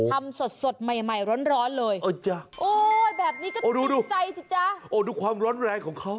ทำสดใหม่ร้อนเลยโอ๊ยแบบนี้ก็จริงจริงจ๊ะโอ้ดูความร้อนแรงของเขา